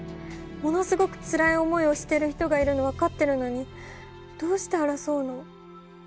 ものすごくつらい思いをしてる人がいるのを分かってるのにどうして争うの？